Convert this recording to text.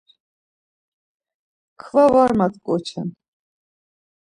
Kva var mat̆ǩoçen.